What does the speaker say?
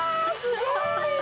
すごい！